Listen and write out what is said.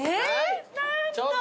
ちょっと。